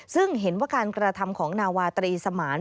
ซึ่งเห็นว่าการกระทำของนาวาตรีสมาน